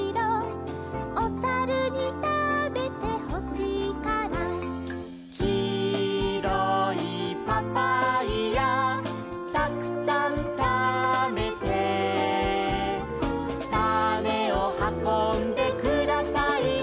「おさるにたべてほしいから」「きいろいパパイヤたくさんたべて」「たねをはこんでくださいな」